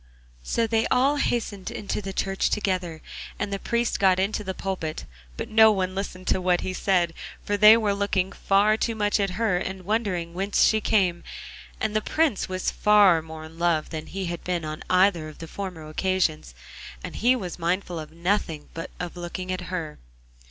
So they all hastened into the church together and the priest got into the pulpit, but no one listened to what he said, for they were looking far too much at her and wondering whence she came; and the Prince was far more in love than he had been on either of the former occasions, and he was mindful of nothing but of looking at her.